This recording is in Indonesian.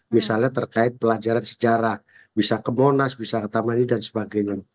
misalnya terkait pelajaran sejarah bisa ke monas bisa ke tamandi dan sebagainya